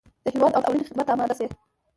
د هېواد او ټولنې خدمت ته اماده شي.